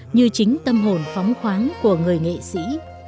như chính tâm hồn phóng khoáng của người nghệ sĩ